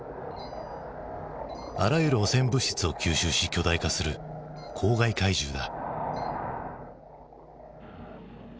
あらゆる汚染物質を吸収し巨大化する公害怪獣だ。